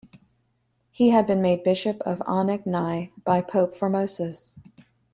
He had been made bishop of Anagni by Pope Formosus.